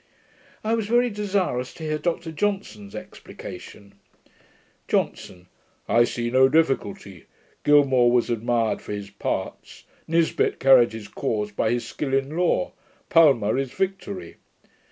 I was very desirous to hear Dr Johnson's explication. JOHNSON. 'I see no difficulty. Gilmour was admired for his parts; Nisbet carried his cause by the skill in law. Palma is victory.'